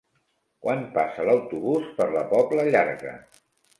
Quan passa l'autobús per la Pobla Llarga?